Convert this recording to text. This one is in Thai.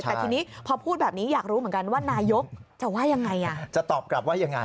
แต่ทีนี้พอพูดแบบนี้อยากรู้เหมือนกันว่านายกจะว่ายังไง